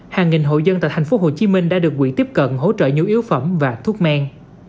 hàng nghìn hội dân tại tp hcm đã được quỹ tiếp cận hỗ trợ nhu yếu phẩm và thuốc men